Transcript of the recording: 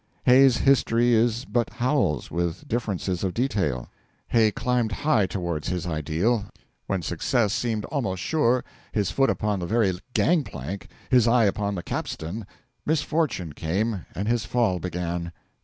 Hay's history is but Howells's, with differences of detail. Hay climbed high toward his ideal; when success seemed almost sure, his foot upon the very gang plank, his eye upon the capstan, misfortune came and his fall began.